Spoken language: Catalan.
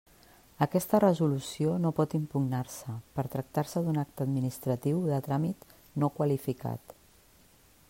Aquesta resolució no pot impugnar-se, per tractar-se d'un acte administratiu de tràmit no qualificat.